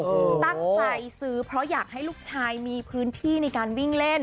ตั้งใจซื้อเพราะอยากให้ลูกชายมีพื้นที่ในการวิ่งเล่น